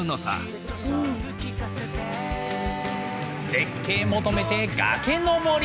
絶景求めて崖登り！